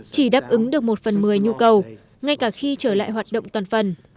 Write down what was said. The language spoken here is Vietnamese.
chỉ đáp ứng được một phần một mươi nhu cầu ngay cả khi trở lại hoạt động toàn phần